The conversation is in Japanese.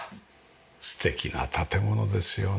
素敵な建物ですよね。